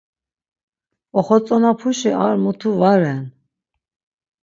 Oxotzonapuşi ar mutu va ren.